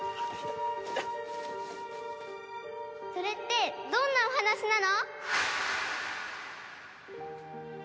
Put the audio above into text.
それってどんなお話なの？